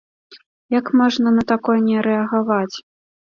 Як можна на такое не рэагаваць?